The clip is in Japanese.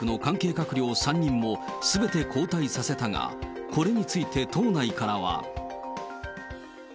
閣僚３人も、すべて交代させたが、これについて党内からは。